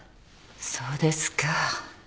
そうですか。